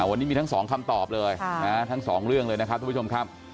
วันนี้มีทั้งสองคำตอบเลยทั้งสองเรื่องเลยนะครับทุกผู้ชมครับ